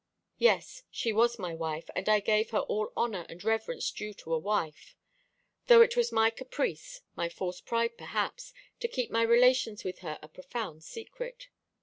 "Yes, she was my wife, and I gave her all honour and reverence due to a wife: though it was my caprice, my false pride perhaps, to keep my relations with her a profound secret.